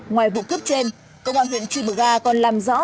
ngoài vụ cướp trên công an huyện trư bờ ga còn làm rõ